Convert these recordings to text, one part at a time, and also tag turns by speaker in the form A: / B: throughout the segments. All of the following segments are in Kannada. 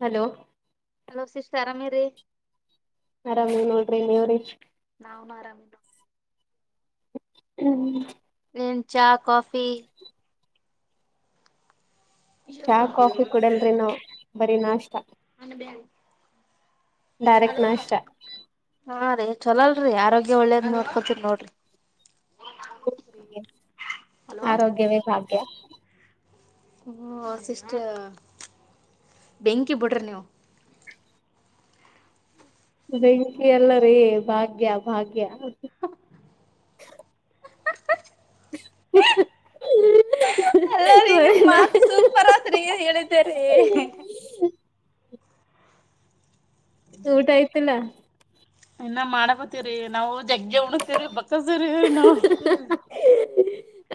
A: ಹಲೋ
B: ಹಲೋ ಸಿಸ್ಟರ್ ಆರಾಮಾಅದಿರೀ
A: ಆರಾಮ ನೋಡ್ರಿ ಇಲ್ಲಿವ್ರಿ
B: ನವುನು ಆರಾಮನು
A: ಹ್ಮ
B: ನ್ ಚಾ ಕಾಫಿ
A: ಚಾ ಕಾಫಿ ಕುೂಡಲ್ರಿ ನಾವು ಬರೀ ನಾಷ್ಟ
B: ಹನ್ನ ಬೇ [inaudible]
A: ನಾರಕ್ ನಶ್ರ
B: ಹಾ ರೀ ಚಲೋಲ್ರರಿ ಆರೋಗ್ಯ ಒಳ್ಳೇದ ನೋಡ್ಕೋತರಿ ನೋಡ್ರಿ
A: ಹದ್ರಿ ಆರೋಗ್ಯವೇ ಭಾಗ್ಯ
B: ಹೂ ಸಿಸ್ಟರ್ ಬೆಂಕಿ ಬಿಡ್ರಿ ನೀವು
A: ಬೆಂಕಿ ಎಲ್ಲರೀ ಭಾಗ್ಯ ಭಾಗ್ಯ [unintelligible]
B: ಅಲ್ಲ ರೀ ನಿಮ್ ಮಾತ್ ಸೂಪರ್ ಆದ್ರಿ. ಹೇಳಿದ್ದೇರಿ
A: ಊಟ ಆಯ್ತಿಲ್ಲ
B: ಇನ್ನ ಮಾಡಕತಿರಿ ನಾವು ಜಗ್ಗಿ ಉಣತೀರಿ ಬಕ್ಕಸ್ತರಿರಿ ನಾವವು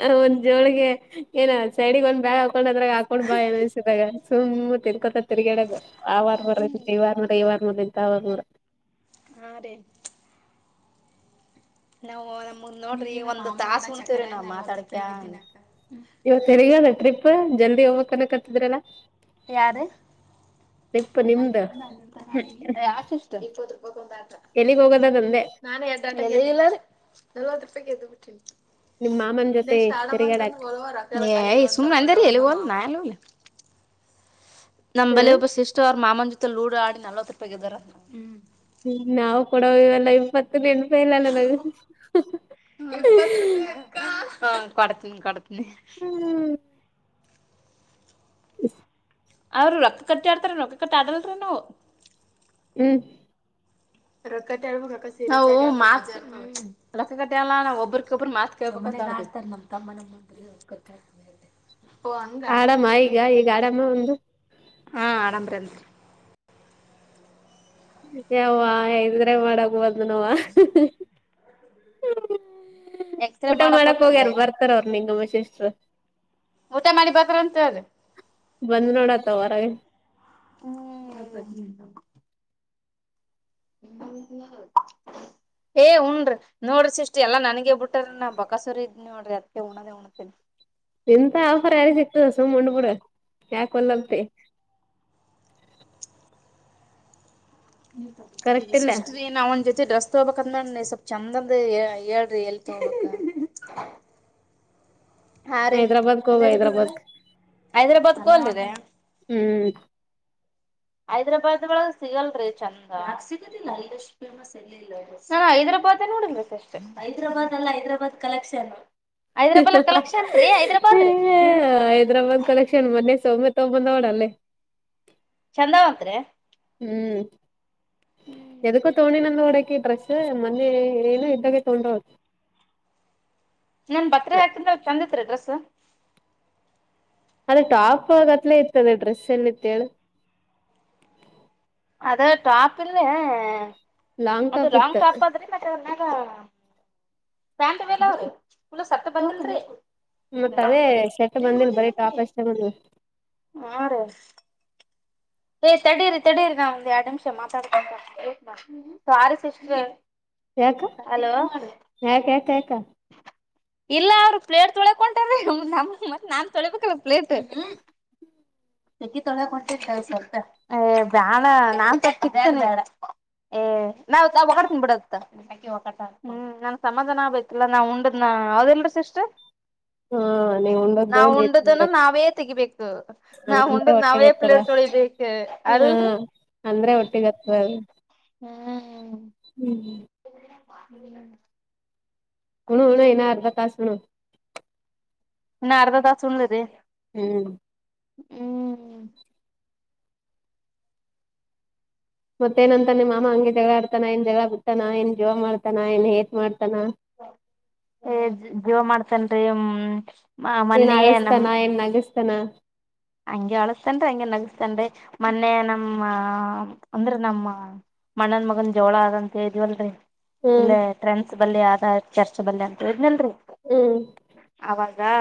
A: ಆ ಒಂದ್ ಜೋಳಿಗೆ ಏನ ಸೈಡಿಗೆ ಒಂದ್ ಬ್ಯಾಳ ಹಾಕೊಂಡ್ ಅದ್ರಾಗ ಹಾಕೊಂಡ್ ಬಾ ಎಸಿದಾಗ ಸುಮ್ಮ್ ತಿನ್ಕೊತ ತಿರ್ಗಾಡದ ಆ ವಾರ ಬ್ರ ಇ ಈ ವಾರ ನೋಡ ಈ ವಾರ ಮ ಇಂತ ಆ ವಾರ ನರ [inaudible]
B: ಹಾ ರೀ ನಾವು ನಮಂದ ನೋಡ್ರಿ ಒಂದ್ ತಾಸಸ್ ಉಂತವ್ರಿ ನಾವ್ ಮಾತಾಡ್ಕ
A: ಇವತ್ತುೆರಿಗದ ಟ್ರಿಪ್ ಜಲ್ದಿ ಹೋಗ್ಕ್ಕನ ಕತಿದ್ರಲ್ಲಾ
B: ಯಾರ
A: ನಿಮ್ದ
B: ಂದಂತತ
A: ಎಲ್ಲಿಗ್
B: ಹ್ಮ
A: ಹೋಗೋದದಂದೆ
B: ನಾನೇ ಯಲ್ಲ ಎ ದ ಬಿಟ್ಟ
A: ನಿಮ್ ಮಾಮನ ಜೊತೆ
B: ನೆಕ್ಸ್ಟ್ ಆಡಮ
A: ತಿರುಗಾಡಕ್
B: ಅಂತಂದ ಸು ಅಂದ ಹೇಳಲ್ಲಿ ನಾಯಲ್ಲ ಇಲ್ಲ ನಮ್
A: ಹ
B: ಬಳಿಯ ಒಬ್ಬ ಸಿಸ್ಟ್ ಅವ್ರ ಮಾಮನ ಜೊತೆ ಲೂಡೋ ಆಡಿ ನಲ್ವತ್ ರೂಪಾಯಿಗ ಇದ್ದಾರ್ಮ
A: ಹ್ಮ ನಾವು ಕೊಡೋ ಇವೆಲ್ಲ ಇಪ್ಪತ್ ದಂಡಪಾಯಲ್ಲ ಅಲ್ಲ ನ
B: ಕಡತ ಕಡತನ
A: ಹ್ಮ್ ಹ್ಮ್ ಎ
B: ಅವರು ರೊಕ್ಕ ಕಟ್ಟಿ ಆಡ್ತಾರೆ ರೊಕ್ಕ ಕಟ್ಟಿ ಆಡಲ್ರೀ ನಾವು
A: ಹ್ಮ್
B: ರೊಕ್ಕತೆ ಹಬೇಕ ರೊಕ್ಕ ಕತೆ ಎಲ್ಲ ನಾವ ಒಬ್ರಕೊಬ್ರ ಮಾತ್ ಕಳ್ಬೇಕ ತ ನಮ್ ತಮ್ಮ ನಮ್ಮ ಗತ್ತತ
A: ಆರಾಮ ಈಗ ಈಗ ಆರಾಮ ಒಂದು
B: ಹಾ ಆರಾಮ್ರತ್ರಿ
A: ಯ್ ಇದ್ರೆ ಮಾಡಕ್ ಬಂದ್ ನವ
B: ಎಕ್ಸ್ರೇ
A: ಊಟ ಮಾಡಕ್ ಹೋಗ್ಯಾರ
B: ಬಂದನ್ರಿ
A: ಬರ್ತಾರ ಅವ್ರ ನಿಂಗಮ್ಮ ಶಿಷ್ಟರು
B: ಊಟ ಮಾಡಿಬೇಕ್ರ ಅಂತ ಅ್ರ
A: ಬಂದ್ ನೋಡತ್ತ ಹೊರಗೆ
B: ಹ್ಮ್ ಹ ಏ ಹಣ್ರಿ ನೋಡ್ರಿ ಸಿಸಷ್ಟಿ ಎಲ್ಲಾ ನನಗ ಬಿಟ್ಟ್ರ ನಾ ಬಕಾಸೂರ ಇದ್ ನೋಡ್ರಿ ಅದ್ ಉಣದೇ ಉಣತೇನಿ
A: ಎಂತ ಆಫರ್ ಯಾರಿ ಸಿಗ್ತದ ಸುಮ್ ಉಂಡಬುಡ ಯಾಕ ಹೊಲ್ಲಲ್ತಿ ಕರೆಕ್ಟ್ ಇಲ್ಲ
B: ಸಿಸಟ ನ ಒ ಜತೆ ರಸ್ ಬಕ್ಂದ ಮೇ ಸ್ವಲ್ಪ್ ಚಂದಂದ ಹೇಳಏ್ರಎಲ್ಕ ಹಾ ರೀ
A: ಹೈದ್ರಾಬಾದ್ಕ್ ಹೋಗ
B: ಅಲ್ಲಲ್ಲ
A: ಹೈದ್ರಾಬಾದ್ಕ್
B: ಹೈದ್ರಾಬಾದ್ ಕೋಲ್ದೆ
A: ಹ್ಮ್
B: ಹೈದ್ರಾಬಾದ್ ಒಳಗ ಸಿಗಲ್ರಿ ಚಂದ ಸಿಗುದಿಲ್ಲ ಹೈಾಬ ನೋಡ್ರ ಸ ಹೈದಾಾದ್ ಅಲ್ಲ ಹೈದರಾಬಾದ್ ಕಲೆಕ್ಷನ್ ರೀ
A: ಹ
B: ಹೈದ್ರಾಬಾದ್ ರೀ
A: ಹೈದ್ರಾಬಾದ್ ಕಲೆಕ್ಷನ್ ಮೊನ್ನೆ ಸೌಮತ್ ಹ ತಬಂದೋಡ ಅಲ್ಲೇ
B: ಚಂದತ್
A: ಹ್ಮ್ ಎದಕ್ಕೋ ತೋಣಿ ನಂದ ಉಡೆ ಡ್ರೆಸ್ ಮನೆೆ ಏನು ಇದ್ದಾಗೆ ತೊಂಡ ಹದು
B: ನಾನ್ ಭತ್ರಿ ಹಾಕಿಂದ ಚಂದತ್ರಿ ಡ್ರೆಸ್ಸ
A: ಅದ ಟಾಪ್ ಆಗತ್ಲೇ ಇತ್ತದ ಡ್ರೆಸ್ ಎಲ್ಲಿ ಇತ್ತೇಳಿ
B: ಅದೇ ಟಾಪ್ ಇಲ್ಲ ಮ ಲಾಂಗ್ ಟಾಪ್ ಅದ್ರಿ ಮತ್ತ ಬ್ಯಾತ್ಲ್ಅವ್ರಿುಲ ಸತ್ತ ಬಂದಲ್ರಿ
A: ಮತ್ತತ್ ಅದೇ ಶರ್ಟ್ ಬಂದಿಲ್ ಬರೀ ಟಾಪ್ ಅಷ್ಟೇ ಬಂದ
B: ಹಾ ರೀ ಏ ತಡೀರಿ ತಡೀರಿ ನಾ ಒಂದ್ ಎರಡ್ ನಿಮಿಷ ಮಾತಾಡ್ಕ ಸ
A: ಯಾಕ ಯಾ
B: ಇಲ್ಲ ಅವ್ರರು ಪ್ಲೇಟ್ ತೊಳಕೊಟಾರ ನಮ ಮತ್ ನಾನ್ ತೊಳಬೇಕಲ್ ಪ್ಲೇಟ್ ಚಿ ತೊಳ ಕೊಟ್ಟಿ ಸ್ವಲ್ಪ ಏ ಬ್ಯಾಡ ನಾನ್ ತಟ್ಟಿತ್ತು ಬಡ ಏ ನಾವ್ ಹೊಗ್ ಬಿಡ ಹ್ಮ ನ ಸಮಾಧಾನ ಆಗಲ್ಲಾ ನಾ ಹಾ ಹೌದೆಲ್ರೀ ಸಿಸ್ಟರ್
A: ಹಾ ನೀವ್ ಉಂಡದ್ದು
B: ನಾವ್
A: ನೀ
B: ಉಂಡುದನ್ನು ನಾವೇ ತೆಗಿಬೇಕು ನಾವ್
A: ಹಂಗಂದ್ರೆ
B: ಉಂಡದ್ ನಾವೇ
A: ಹೊಟ್ಟೆಗತ್ತದ
B: ಪ್ಲೇರ್ ತೊಳಿಬೇಕು
A: ಹಾ
B: ಅದಲ್ರಿ
A: ಅಂದ್ರೆ
B: ಹ್ಮ
A: ಹೊಟ್ಟಿಗತ್ತದ
B: ಹ್ಮ್
A: ಹ್ಮ್
B: ಹ
A: ಹಣಣ ನ ಅರ್ಧ ತಾಸ ಹಣ
B: ನಾರದ ದಾಸುಣದೆ
A: ಹ್ಮ್
B: ಹ್ಮ್
A: ಮತ್ತೇಏನಂತ ನಿಮ್ಮ ಮಾಮ ಹಂಗೆ ಜಗಳ ಆಡ್ತಾನ ಇಏನ್ ಜಗಳ ಗತ್ತನ ಏನ್ ಜೋವ ಮಾಡತಾನ ನ್ ಹೆೇತ್ ಮಾಡ್ತಾನ
B: ಏ ಜೀವ ಮಾಡ್ತೇನ್ರಿ
A: ಏನ್ ಅಳಸ್ನ ಏನ್ ನಗಸ್ತಾನ
B: ಹಂಗೆ ಅಳಸ್ತನ್ರಿ ಹಂಗೆ ನಗಸ್ತನ್ರಿ ಮೊನ್ನೆ ನಮ್ಮ ಅಂದ್ರ ನಮ್ಮ ಮಣ್ಣನ್ ಮಗನ್ ಜೋಳ ಅಂತ ಇದವಲ್ರರಿ
A: ಹ್ಮ್
B: ಇಲ್ಲೇ ಟ್ರೆಂಡ್ಸ್ ಬಲ್ಲಿ ಆದ ಚರ್ಚ್ ಬಲ್ಲಿ ಅಂತ ಇದನಲ್ರರಿ
A: ಹ್ಮ್
B: ಅ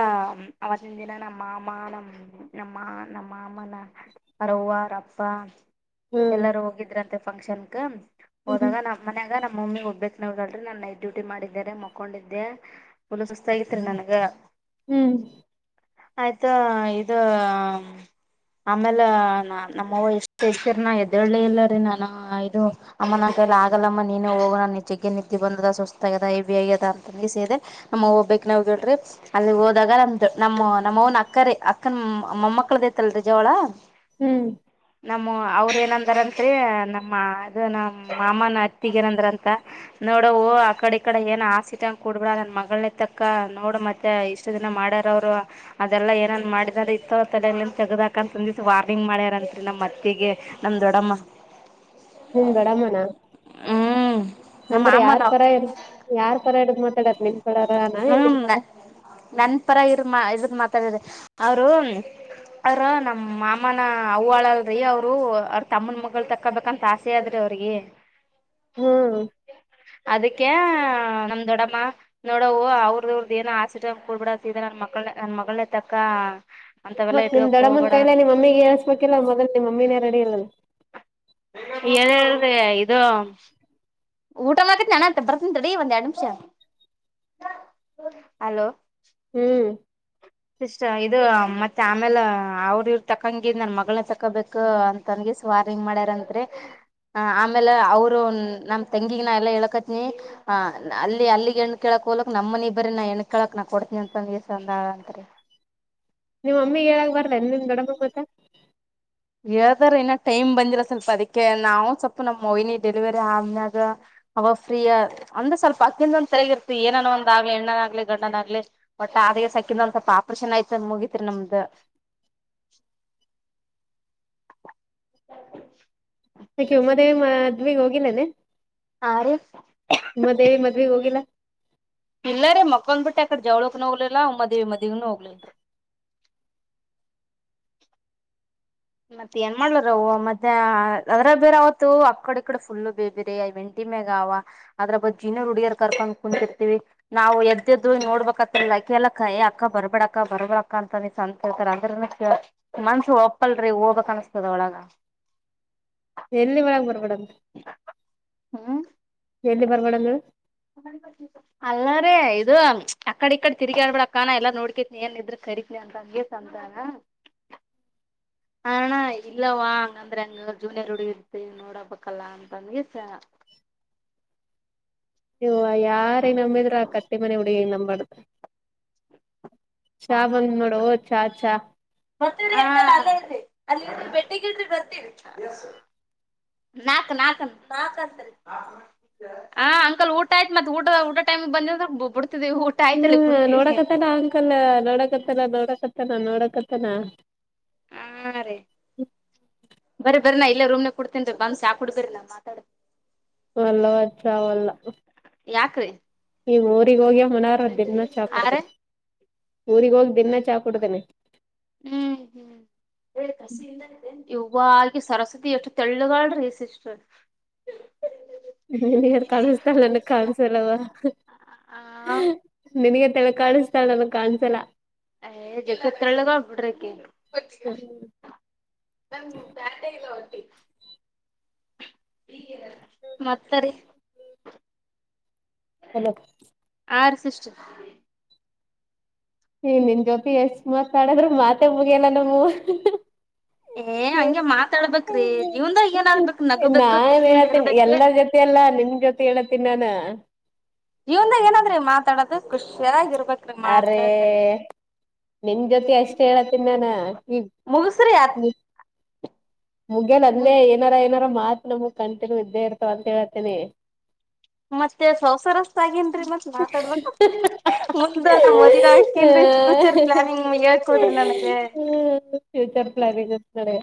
B: ಅವತ್ತಿನ ದಿನ ನಮ್ಮ ಮಾಮ ನಮ್ಮ ನಮ್ಮ ನಮ್ಮ ಅಮ್ಮನ ಅರವ್ವಾರಪ್ಪ
A: ಹ್ಮ್
B: ಎಲ್ಲಾರೂ ಹೋಗಿದ್ರಂತೆ ಫಂಕ್ಷನ್
A: ಹ್ಮ್
B: ಹೋದಾಗ ನಮ್ಮನೆಗ ನಮ್ ಮಮ್ಮಿ ಹೋಗ್ಬಬೇಕಕ್ ನವಗಲ್ರಿ ನಾನ್ ನೈಟ್ ಡ್ಯೂಟಿ ಮಾಡಿದ್ದೇರೆ ಮಕೊಂಡಿದ್ದೆ ಫುಲ್ ಸುಸ್ತ ಆಗತ್ರಿ ನನ್ಗ
A: ಹ್ಮ್
B: ಆಯ್ತಾ ಇ ಆಮೇಲೆ ನಮ್ಮ ಎಷ್ಟತರ ನ ಎದ್ದಳ್ಳಿ ಇಲ್ಲರಿ ನಾನ ಇದು ಅಮ್ಮನ ಆಗಲ್ಲಮ್ಮ ನೀನೇ ಹೋಗುವ ನನ್ ನಿಜೆಗೆಗೆ ನಿಂತಿ ಬಂದದ ಸುಸ್ತದದ ಸೇದೆ ನಮ್ಮಬ ನಾವವು ಕೇಳ್ರಿ ಅಲ್ಲಿ ಹೋದಾಗ ನಮ್ದ ನಮ್ಮ್ ನಮ್ಮ್ನ ಅಕ್ಕರೆ ಅ ಮಮ್ಮ ಮಕ್ಕಳದತಲ್ಲ ರ ಜ ಅವಳ
A: ಹ್ಮ್
B: ನಮ್ಮ ಅವ್ರ ಏನಂದಾರತ್ರಿ ನಮ್ಮ ಅದು ನಮ್ಮ ಮಾಮನ ಅತ್ತಿಗ ಏನಂದ್ರ ಅಂತ ನೋಡ ಆ ಕಡೆ ಈ ಕಡೆ ಏನ್ ಆಸ ಇಟ್ ಅಂಗ ಕೂಡ್ಬಿಡ ನನ್ನ ಮಗಳ ತಕ್ಕ ನೋಡು ಮತ್ತೆ ಇಷ್ಟು ದಿನ ಮಾಡ ಅವರು ಅದೆಲ್ಲ ಏನನ್ ಮಾಡ ಇದೆ ಇತ್ತ ತಲ ತೆಗದಕ ಅಂತ ಒಂದಿವ ವಾರ್ನಿಂಗ್ ಮಾಡ್ಯಾರಂತ್ರಿ ನಮ್ಮತ್ತಿಗೆ ನಮ್ಮ ದೊಡಮ್ಮ
A: ಹ್ಮ ಬಡಮ್ಮನ
B: ಹ್ಮ್ ನಮ್ಮ
A: ಅಂದ್ರೆ
B: ಮಾಮನ
A: ಯಾರ್ ತರ ಇ ಯಾರ್ ತರ ಇಡ ಮ
B: ಹ್ಮ ನನ್ ಪರ ಇರ್ ಮಾ ಇದಕ್ ಮಾತಾಡರಿ ಅವರು ಅವ್ರ ನಮ್ ಮಾಮನ ಅವಳಲ್ರಿ ಅವ್ರು ಅವ್ರ ತಮ್ಮನ್ ಮಳ ತಕೋಬೇಕಂತ ಆಸೆ ಆದ್ರಿ ಅವರಿಗೆ
A: ಹ್ಮ್
B: ಅದಕ್ಕೆ ನಮ ದೊಡಮ್ಮ ನೋಡ್ ಅವು ಅವ್ರದವ್ರದ್ದ ಏನ ಆಶಚ ಕೊಡ್ಬಿಡ ನನ್ ಮಕ್ಕಳ ನನ್ ಮಗಳನ ತಕ್ಕ ಅಂತವೆಲ್ಲಾ
A: ಮತ್ತತ್ ನಿಮ್
B: ಇಟ್ಕಕ್
A: ದಡಮ್ಮನನ್
B: ಹೋಗ್ಬೇಡ
A: ಕೈಲೆ ನಿಮ್ಮೀಗೆ ಏಳ್ಸಸ್ಬೇಕಿಲ್ಲ ಮೊದಲ್ ನಿಮ್ಮನನೇ ರೆಡಿ ಇಲ್ಲಲ್ಲ
B: ಏಳ್ ಹೇಳ್ದೆ ಇದು ಊಟ ಮಾಡತ್ ನಾನ ಅಂತ ಬರ್ತನೀ ಒಂದ್ ಎರಡ್ ನಿಮಿಷ ಅಲೋ
A: ಹ್ಮ್
B: ಇಷ್ಟ ಇದು ಮತ್ತೆ ಆಮೇಲೆ ಅವ್ರ ಇವ್ರ ತಕಂಗಿದ್ ನನ್ ಮಗಳನ್ನ ತಕೊಬೇಕು ಅಂತನ್ಗ ಸ್ವಾರಿ ನೋಡೋಣ ಅಂದ್ರೆ ಹ ಆಮೇಲೆ ಅವರು ನಮ್ ತೆಂಗಿಗನ ಎಲ್ಲ ಎಳಕತ್ನಿ ಆ ಅಲ್ಲಿ ಅಲ್ಲಿಗೆ ಹೆಣ ಕೆಳ ಕೋಲಕ್ ನಮ್ಮನಿ ಬರಿ ನ ಎಣನ್ ಕಳಕ್ ನಾ ಕೊಡ್ತನಿ ಅಂತ ಒಂದಸಂದ ಅಂತತ್ರಿ
A: ನಿವ್ ಅಮ್ಮಿ ಹೇಳಕ್ ಬರ್ರ ನಿಮ್ ದಡಮಗ್ ಮತ್ತ
B: ಹದಾರ ಇನ್ನ ಟೈಮ್ ಬಂದಿಲ್ಲ ಸ್ವಲ್ಪ ಅದಕ್ಕೆ ನಾವು ಸ್ವಲ್ಪ ನಮ್ಮ್ ಮವಿನಿ ಡೆಲಿವರಿ ಆದನ್ಯಾಗ ಅವ ಫ್ರೀಯ ಅಂದ್ರ ಸ್ವಲ್ಪ ಅಕ್ಕಿಂದ ಒಂದ್ರಗಿರ್ತಿ ಏನೋ ಒಂದ ಆಗ್ಲಿ ಎಣ್ಣನಾಗಲಿ ಗಂಡಡನ್ಗ್ಲಿ ಒಟ್ಟ ಅ ಸಕಂದು ಒಂದ್ ಸ್ಲ್ಪ ಆಪರೇಷನ್ ಆಯತ ಅ ಮುಗಿತತ್ರಿ ನಮ್ದು
A: [inaudible]
B: [inaudible]
A: [unintelligible] ಮದ್ಗ್ ಹೋಗಿಲ್ಲೇನೆ
B: ಆ ರೀ
A: ಮದೇವಿ ಮದ್ವೆ ಹೋಗಿಲ್ಲ
B: ಇಲ್ಲಾರೆ ಮಕ್ಕಳಂದ ಬಿಟ್ಟು ಅಕಡೆ ಜವ್ಳಕ್ನೂ ಹೋಗ್ಲಿಲ್ಲ ಮದ್ವಿ ಮದಗ್ನುೂ ಹೋಗ್ಲಿಲ್ಲ
A: ಇಲ್ಲ
B: ಮತ್ತತ್ ಏನ್ ಮಾಡ್ಲಾರ ಮತ್ತೆ ಅದ್ರ ಬೇರೆ ಅವವತ್ತು ಆಕಡೆ ಈ ಕಡೆ ಫುಲ್ಲ ಬೇಬೇರೆಂಟಿ [unintelligible] ಅವ ಅದ್ರ ಬಗ್ ಜಿನನ ಹುಡುಗಿಯರ್ ಕರ್ಕೊಂಡ್ ಕುಂತಿರ್ತಿವಿ ನಾವು ಎದ್ದದ್ರು ನೋಡ್ಬೇಕತ್ತಲ್ಲ ಕೇಳಲಕ್ಕಯ ಅಕ್ಕ ಬರ್ಬೇಡಕ್ಕ ಬರ್ಬಿಡಕ್ಕ ಅಂತ ನೀ ಅಂತಳ್ತಾರ ಅಂದ್ರ ಮನ್ಸ ಹಪ್ಪಲ್ರಿ ಹೋಗ್ಬಕ್ ಅನ್ಸ್ತದ ಒಳಗ
A: ಎಲ್ಲಿ ಮೇಡ ಬರ ಮೇಡಮ್
B: ಹ್ಮ
A: ಎಲ್ಲಿ ಬರ್ಬೋಡದು
B: ಅಲ್ಲಾರ ಇದು ಅಕಡ ಈ ಕಡೆ ತಿರ್ಗಿ ಆಡ್ಬಿಳಕ್ಕಾನ ಎಲ್ಲಾ ನೋಡ್ಕತ್ ಏನ್ ಇದ್ರ ಸರಿನ ಅಂತ ಅಂಗೇ ಸಂದಾನ
A: ಹ್ಮ
B: ಹಣ ಇಲ್ಲವ ಹಂಗಂದ್ರೆ ಹಂಗ ಜೂನಿಯರ್ ಹುಡುಗ ಇರ್ತಿ ನೋಡಬೇಕಲ್ಲ ಅಂತಂದಗೆಸ
A: ನೀ ಯಾರ ನಂಬಿದ್ರರು ಆ ಕಟ್ಟಿ ಮನೆ ಹುಡುಗಿ ನಂಬಾಡ್ದ್ರ. ಚ ಬಂದ ಮಾಡೋಾ ಚ ಚ
B: ಮತ್ತ ಅಲ್ಲಿ ಬೆಟ್ಟಗ್ರೆ ಬರ್ತೀರಿ. [unintelligible] ನಾ ಅಂಕಲ್ ಊಟ ಆಯ್ತು ಮತ್ತೆ ಊಟ ಊಟ [unintelligible] ಬಂದ ಬಬ್ಬ
A: ಹ್ಮ್ ನೋಡಕತ್ತನ ಅಂಕಲ್ ನೋಡಕತ್ತನ ನೋಡಕತ್ತನ ನೋಡಕತ್ತನ
B: [unintelligible] ಬರಾ ಇಲ್ಲೇೂಮ್ ನ ಕುಡ್ತನ್ ಬಂದ ಸಾಕ ಕುಡಡ್ಬರ ನಾ ಮಾತಾಡೆ
A: ಮಲ್ಲವಚ್ಚಾವಲ್ಲ
B: ಯಾಕ್ರೀ
A: ನೀವ ಊಗ್ ಹೋಗ್ಯ ಮನಾರ ದಿನ ಚಾ
B: ಆ ರೀ
A: ಕುಡತನನೆ ಊರಿಗ ಹೋಗಿ ದಿನಾ ಚಾ ಕುಡ್ದೇನೆ
B: ಹ್ಮ್ ಹ್ಮ್ ಹೇಳಿ ಕಸಿ ಇ ಇ ಸರಸ್ವತಿ ಎಷ್ಟು ತೆಳ್ಳುಗಳ್ರಿ ಸಿಸ್ಟರ್.
A: ಬೆಳಗಿನ ಕಾಣಿಸತಲ್ಲ ನನ್ಗ್ ಕಾಣಸಲ್ಲವ
B: ಆ
A: ನಿನಗ ಕಾಣಿಸ್ತಾ ನನಗ್ ಕಾಣಸಲ್ಲ.
B: ಕ್ಕೆ ಎ ತ್ರಳ್ಳ ಆಗ್ಬಿಟ್ರಿಡರಕ್ಕೆ. ನಮ ಪಟ ಇಲ್ಲ.
A: ಇಲ್ಲ [inaudible]
B: ಮತ್ತಾರೆ
A: ಎಲ್ಲ
B: ಆರು ಸಿಸ್ಟರ್
A: ಏ ನಿನ್ ಗೊೋಪಿ ಎಷ್ಟ್ ಮಾತಾಡದ್ರರು ಮಾತೆ ಮುಗಿಯಲ್ಲ ನಮ
B: ಏ ಹಂಗೆ ಮಾತಾಡ್ಬೇಕ್ರಿ ಜೀವನ್ದಾಗ ಏನಾಗ್ಬೇಕ್
A: ನಾ
B: ನಗಬೇಕು ಖುಷಿಯಿಂದ
A: ಹತೇನಿ
B: ಇರ್ಬೇಕ
A: ಎಲ್ಲರ ಜೊತೆ ಅಲ್ಲಾ ನಿಮ ಜೊತೆ ಹ ಹೇಳತ್ತೀನಿ ನಾನು.
B: ಖುಷಿಯ ಆಾಗಿರುೆ
A: ಅರೇ ನಿಮ ಜೊತೆ ಎಷ್ಟ್ ಹೇಳತನ್ ನಾನ ಈಗ.
B: ಮುಗಸ್ರಿ ಅ
A: ಹ್ಮ ಮುಗಲ್
B: ಮುಗಸ್
A: ಅಂದೇ ಏನಾರ ಏನಾರ ಮಾತ್ ನಮಗ್ ಕಂಟಿನ್ಯೂ ಇದ್ದೇ ಇರ್ತವ ಅಂತ ಹೇಳತ್ತೀನಿ.
B: ಮತ್ತೆ ಸಂವಸಾರಸ್ ಆಗೇನ್ೀ ಮತ್ ಮಾತಾಡ್ಬೇಕ ಮುಂದೆ ನಾ ಮದಗ ಆತನ್ೀ
A: ಹ್ಮ ಫ್ಯೂಚರ್ ಪ್ಲಾನಿಂಗ್ಡೆ.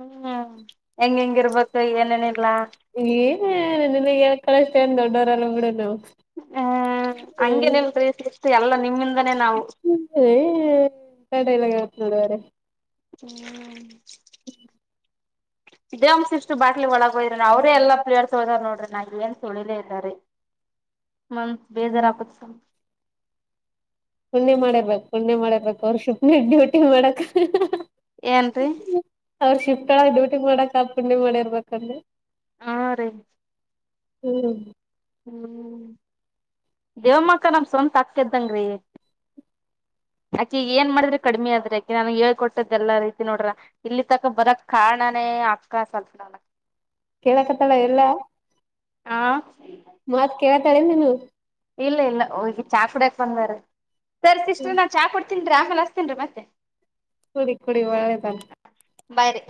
B: ಹ್ಮ್ ಹೆಂಗ ಹೆಂಗಿರ್ಬೇಕು ಏನೇನ.
A: ಏನ ನಿನ್ಗೆ ಕಳಷ್ಟತೇಏನ್ ದೊಡ್ಡವರಲ್ಲ ಬಿಡು ನಾವು.
B: ಹ್ಮ್ ಹಂಗೇನ ಇಲ್ರಿ ಶ ಎಲ್ಲ.
A: ತಡ ಎಲ್ಲವತ್ ನೋಡುವಾರೆ.
B: ಹ್ಮ್
A: ಹ್ಮ
B: ಇದೇ ಒಂದಸ್ ಇಷ್ಟು ಬಾಟ್ಲಿ ಒಳಗ ಹೋಯ್ರಿ ನ ಅವ್ರೇ ಎಲ್ಲ ಪ್ಲೇರ್ಸ್ ತಳದಾರ ಹೋದ್ ನೋಡ್ರಿ ನನ್ ಏನ್ ತೊಳಿಲೇ ಇಲ್ಲ ರೀ. ಮಂತ್ ಬೇಜಾರ ಆ ಕೊದು ಸ
A: ಕುುಣ್ಣೆ ಮಾಡಿರ್ಬೇಕಕ್ ಕುುಣ್ಣೆ ಮಾಡಿರ್ಬೇಕಕ್ ಅವರು ಶಿಪ್ನ ಡ್ಯೂಟಿ ಮಾಡಕ್.
B: ಏನ್ ರೀ
A: ಅವ್ರರು ಶಿಫ್ಟ್ಳ ಡೂಟಿ ಮಾಡಕ್ಾಕ್ಕಂಡಿ. ಮಾಡಿರ್ಬೇಕನ್ರಿ
B: ಹಾ ರೀ
A: ಹ್ಮ್
B: ಹ್ಮ್ ದೇವಮ್ಮಕ್ಕ ನಮ ಸ್ವಂತ ಅಾಕ್ಕದಂಗ್ರೀ.
A: [inaudible]
B: ಆಕಿ ಏನ್ ಮಾಡಿದ್ರೆ ಕಡಿಮಿ ಆದ್ರಿ ಆಕಿ ನಾನು ಹೇಳ್ಕೊಟ್ಟದ ಎಲ್ಲ ರೀತಿ ನೋಡ್ರ ಇಲ್ಲಿ ತಕ ಬರಕ್ ಕಾರಣನ. ಅಕ್ಕ ಸಲ್ಪನ.
A: ಕೇಳಕತ್ತಳ ಎಲ್ಲಾ
B: ಹಾ
A: ಕೇಳ ಮನು
B: ಇಲ್ಲ ಇಲ್ಲ ಹೋಗಿ ಚಾ ಕುಡಿಯಕ್ ಬಂದಾರೆ ಸರಿ ಸಿಸ್ಟ್ರ ನಾ ಚಾ ಕುಡ. ತಿಂದ್ರಾ ಅಸ್ತೀನ್ೀ ಮತ್ತೆ.
A: ಕುಡಿ ಕುಡಿ ಒಳ್ಳೆದಲ್ಲ.
B: ಬಾಯ್. ರಿ